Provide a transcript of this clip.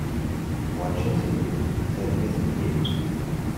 Werǧin tli tarmit n diri.